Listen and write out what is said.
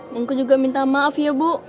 yangku juga minta maaf ya bu